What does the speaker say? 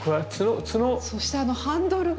そしてあのハンドルが。